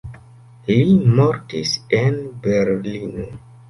Li mortis en Berlino.